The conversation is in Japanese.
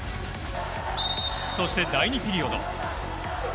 そして第２ピリオド。